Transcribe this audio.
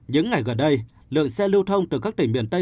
những ngày gần đây lượng xe lưu thông từ các tỉnh miền tây